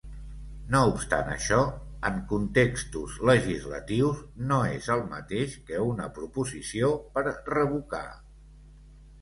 No obstant això, en contextos legislatius, no és el mateix que una proposició per revocar.